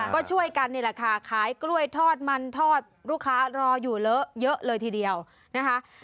ก็ช่วยกันนี่แหละค่ะขายกล้วยทอดมันทอดลูกค้ารออยู่เลอะเยอะเลยทีเดียวนะคะ